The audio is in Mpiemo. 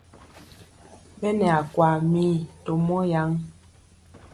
Ɓɛ nɛ akwaa mii to mɔ yaŋ.